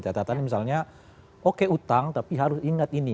catatan misalnya oke utang tapi harus ingat ini